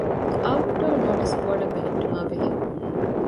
އައުޓްޑޯ ނޯޓިސް ބޯޑެއް ބެހެއްޓުމާއި ބެހޭ